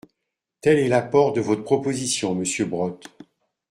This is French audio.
Tel est l’apport de votre proposition, monsieur Brottes.